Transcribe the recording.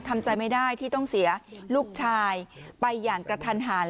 ทำใจไม่ได้ที่ต้องเสียลูกชายไปอย่างกระทันหัน